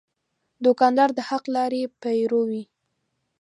دوکاندار د حق لارې پیرو وي.